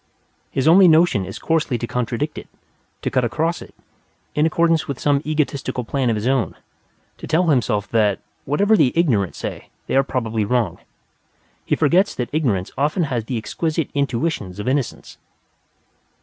His only notion is coarsely to contradict it, to cut across it, in accordance with some egotistical plan of his own; to tell himself that, whatever the ignorant say, they are probably wrong. He forgets that ignorance often has the exquisite intuitions of innocence.